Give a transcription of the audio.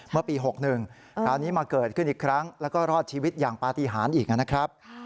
เมื่อปี๖๑คราวนี้มาเกิดขึ้นอีกครั้งแล้วก็รอดชีวิตอย่างปฏิหารอีกนะครับ